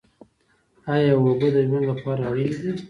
ایا اوبه د ژوند لپاره اړینې دي؟